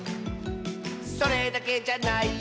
「それだけじゃないよ」